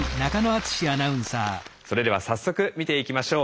それでは早速見ていきましょう。